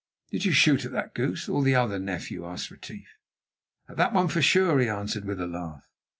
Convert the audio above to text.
"Did you shoot at that goose, or the other, nephew?" asked Retief. "At that one for sure," he answered with a laugh.